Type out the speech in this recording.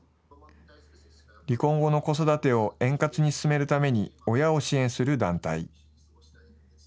離婚後の子育てを円滑に進めるために、親を支援する団体。